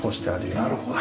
なるほど。